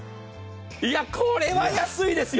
これは安いですよ。